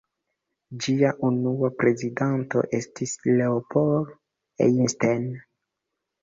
Ĝia unua prezidanto estis Leopold Einstein.